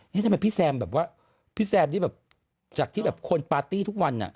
ทำไมพี่แซมแบบว่าพี่แซมที่แบบจากที่แบบคนปาร์ตี้ทุกวัน